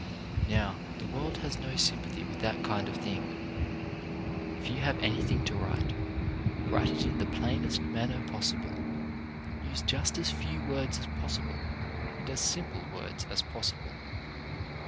Now, the world has no sympathy with that kind of thing. If you have anything to write, write it in the plainest manner possible. Use just as few words as possi ble, and as simple words as possible.